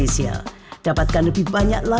selamat siang bu ayu